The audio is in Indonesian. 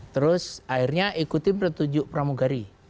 terus akhirnya ikuti petunjuk pramugari